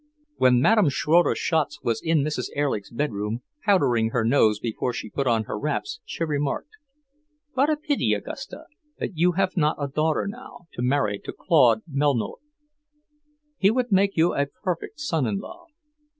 When Madame Schroeder Schatz was in Mrs. Erlich's bedroom, powdering her nose before she put on her wraps, she remarked, "What a pity, Augusta, that you have not a daughter now, to marry to Claude Melnotte. He would make you a perfect son in law."